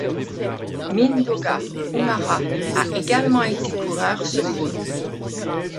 Mindaugas Umaras a également été coureur sur route.